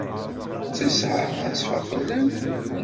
Ttesɛa ad teffeɣ fell-am?